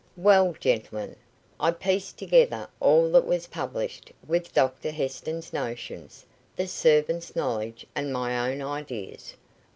"Well, gentlemen, I pieced together all that was published, with Doctor Heston's notions, the servants' knowledge, and my own ideas."